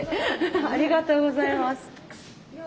ありがとうございます。